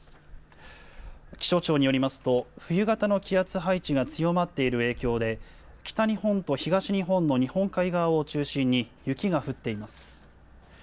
気象庁によりますと、冬型の気圧配置が強まっている影響で、北日本と東日本の日本海側を中心に、雪が降っています。